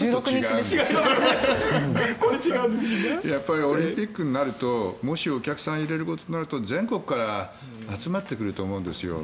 やっぱりオリンピックになるともしお客さんを入れることになると全国から集まってくると思うんですよ。